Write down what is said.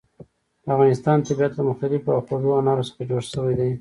د افغانستان طبیعت له مختلفو او خوږو انارو څخه جوړ شوی دی.